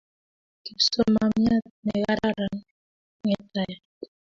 Kipsomamiat ne kararan ng'etaya